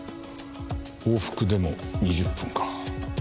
往復でも２０分か。